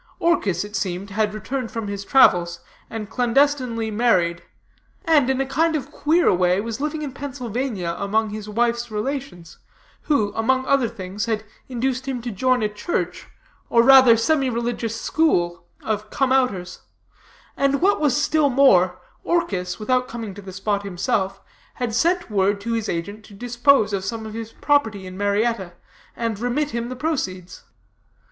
Orchis, it seemed had returned from his travels, and clandestinely married, and, in a kind of queer way, was living in Pennsylvania among his wife's relations, who, among other things, had induced him to join a church, or rather semi religious school, of Come Outers; and what was still more, Orchis, without coming to the spot himself, had sent word to his agent to dispose of some of his property in Marietta, and remit him the proceeds.